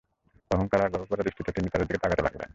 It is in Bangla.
অহংকার আর গর্বভরা দৃষ্টিতে তিনি তাদের দিকে তাকাতে লাগলেন।